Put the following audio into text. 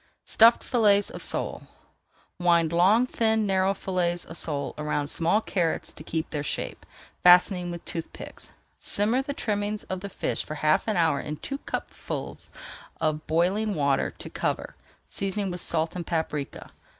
STUFFED FILLETS OF SOLE Wind long, thin, narrow fillets of sole around small carrots to keep their shape, fastening with tooth picks. Simmer the trimmings of the fish for half an hour in two cupfuls of boiling water to cover, seasoning with salt and paprika.